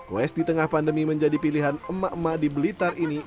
west di tengah pandemi menjadi pilihan emak emak di blitar ini